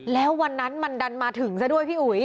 แล้ววันนั้นมันดันมาถึงซะด้วยพี่อุ๋ย